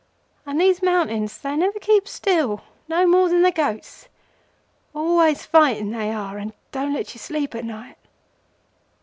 And these mountains, they never keep still, no more than the goats. Always fighting they are, and don't let you sleep at night."